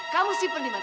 kamu simpan di mana